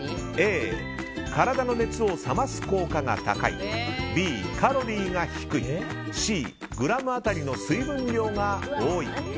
Ａ、体の熱を冷ます効果が高いＢ、カロリーが低いＣ、グラム当たりの水分量が多い。